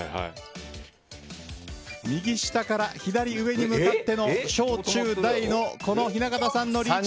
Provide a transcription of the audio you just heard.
右下から左上に向かっての小・中・大の雛形さんのリーチ。